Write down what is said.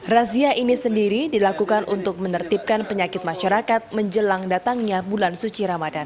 razia ini sendiri dilakukan untuk menertibkan penyakit masyarakat menjelang datangnya bulan suci ramadan